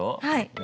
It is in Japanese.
はい。